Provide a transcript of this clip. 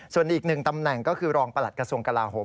ส่วนอีกหนึ่งตำแหน่งก็คือรองประหลัดกระทรวงกลาโหม